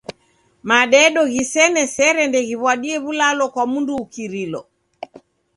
Madedo ghisene sere ndeghiw'adie w'ulalo kwa mndu ukirilo.